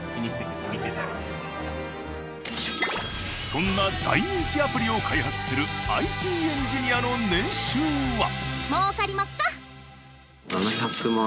そんな大人気アプリを開発するＩＴエンジニアの年収は？